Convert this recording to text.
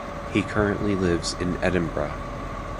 He currently lives in Edinburgh.